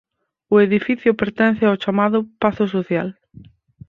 O edificio pertence ao chamado Pazo Social.